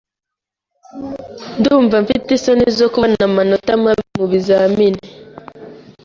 Ndumva mfite isoni zo kubona amanota mabi mubizamini.